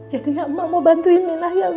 jadi gak ma mau bantuin minah ya ma